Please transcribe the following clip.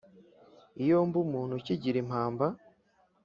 Iyo mba umuntu ukigira impamba